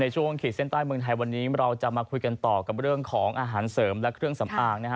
ช่วงขีดเส้นใต้เมืองไทยวันนี้เราจะมาคุยกันต่อกับเรื่องของอาหารเสริมและเครื่องสำอางนะฮะ